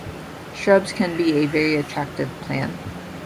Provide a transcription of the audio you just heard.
Shrubs can be a very attractive plan.